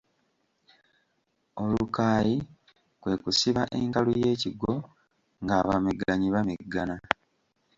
Olukaayi kwe kusiba enkalu y’ekigwo ng’abamegganyi bameggana.